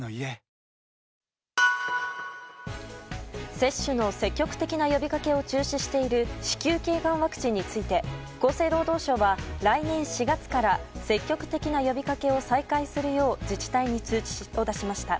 接種の積極的な呼びかけを中止している子宮頸がんワクチンについて厚生労働省は来年４月から積極的な呼びかけを再開するよう自治体に通知を出しました。